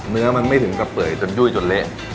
เนื้อมันไม่ถึงกับเปื่อยจนยุ่ยจนเละ